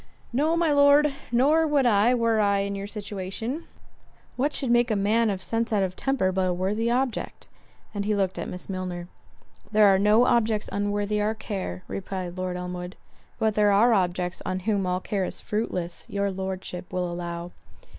"No, my Lord, nor would I, were I in your situation. What should make a man of sense out of temper but a worthy object!" And he looked at Miss Milner. "There are no objects unworthy our care:" replied Lord Elmwood. "But there are objects on whom all care is fruitless, your Lordship will allow."